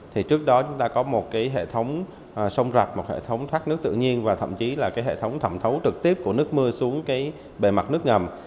thì trước đó chúng ta có một hệ thống sông rạp một hệ thống thoát nước tự nhiên và thậm chí là hệ thống thẩm thấu trực tiếp của nước mưa xuống bề mặt nước ngầm